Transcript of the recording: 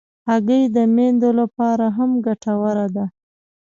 هګۍ د میندو لپاره هم ګټوره ده.